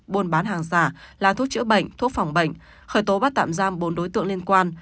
buôn bán hàng giả là thuốc chữa bệnh thuốc phòng bệnh khởi tố bắt tạm giam bốn đối tượng liên quan